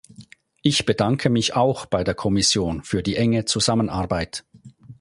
Ich bedanke mich auch bei der Kommission für die enge Zusammenarbeit.